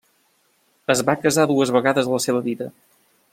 Es va casar dues vegades a la seva vida.